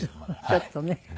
ちょっとね。